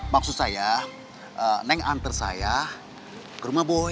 maksud saya neng antar saya ke rumah bos